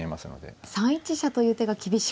次には３一飛車という手が厳しく。